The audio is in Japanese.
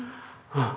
うん。